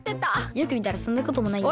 よくみたらそんなこともないや。